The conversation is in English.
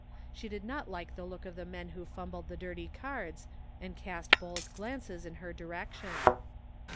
She did not like the look of the men who fumbled the dirty cards and cast bold glances in her direction.